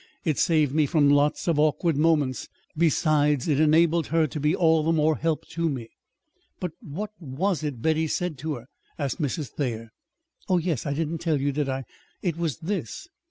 It saved me from lots of awkward moments. Besides, it enabled her to be all the more help to me." "But what was it Betty said to her?" asked Mrs. Thayer. "Oh, yes; I didn't tell you, did I? It was this.